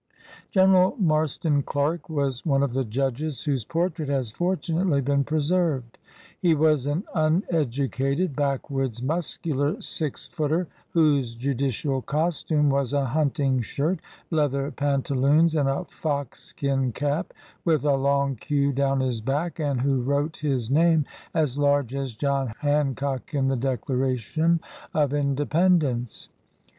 General Marston Clark was one of the judges whose portrait has fortunately been preserved. He was an uneducated, backwoods, muscular six footer whose judicial costume was a hunting shirt, leather pantaloons, and a fox skin cap, with a long queue down his back and who wrote his name "as large as John Hancock in the Dec laration of Independence."